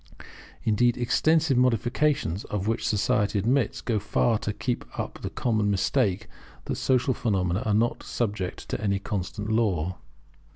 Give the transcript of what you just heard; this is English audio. Indeed the extensive modifications of which society admits, go far to keep up the common mistake that social phenomena are not subject to any constant law.